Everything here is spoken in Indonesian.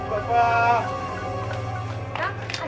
kang ada apa kang